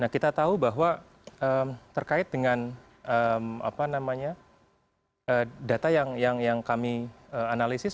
kita tahu bahwa terkait dengan data yang kami analisis